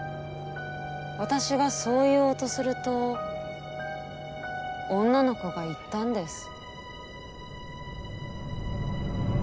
私がそう言おうとすると女の子が言ったんです。